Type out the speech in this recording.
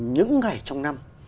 những ngày trong năm